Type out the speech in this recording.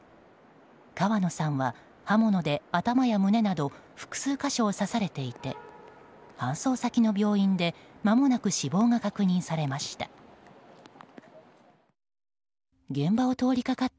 川野さんは、刃物で頭や胸など複数箇所を刺されていて搬送先の病院でまもなく死亡が確認されました。